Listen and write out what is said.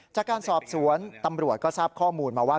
จากการสอบสวนตำรวจก็ทราบข้อมูลมาว่า